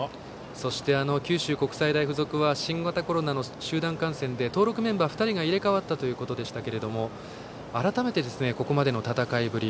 そして、九州国際大付属は新型コロナの集団感染で登録メンバー２人が入れ替わったということでしたが改めて、ここまでの戦いぶり